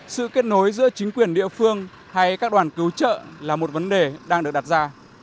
sự kết nối giữa chính quyền địa phương hay các đoàn cứu trợ là một vấn đề đang được đặt ra